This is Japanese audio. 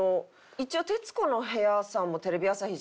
一応『徹子の部屋』さんもテレビ朝日じゃないですか。